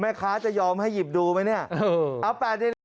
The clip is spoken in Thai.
แม่ค้าจะยอมให้หยิบดูไหมเนี่ย